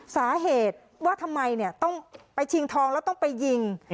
สาเหตุว่าทำไมต้องไปชิงทองแล้วต้องไปยิง